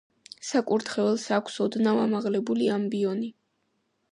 საკურთხეველს აქვს ოდნავ ამაღლებული ამბიონი.